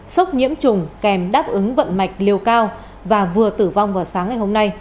sốc nhiễm trùng kèm đáp ứng vận mạch liều cao và vừa tử vong vào sáng